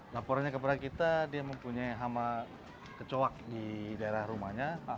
laporannya kepada kita dia mempunyai hama kecoak di daerah rumahnya